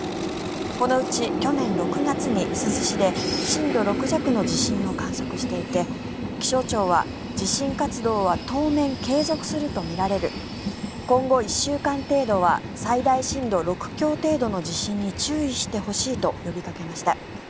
このうち去年６月に珠洲市で震度６弱の地震を観測していて気象庁は、地震活動は当面、継続するとみられる今後１週間程度は最大震度６強程度の地震に注意してほしいと呼びかけました。